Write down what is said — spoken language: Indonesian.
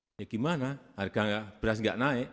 ini gimana harga beras nggak naik